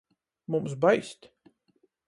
Mums baist.